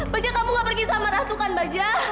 bajak kamu nggak pergi sama ratu kan bajak